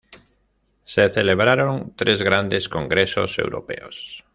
Se celebraron tres grandes congresos europeos.